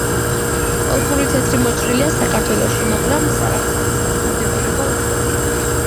კოლხური თეთრი მოჭრილია საქართველოში, მაგრამ ზარაფხანის ადგილმდებარეობა უცნობია.